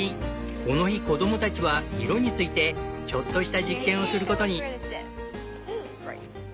この日子供たちは「色」についてちょっとした実験をすることに。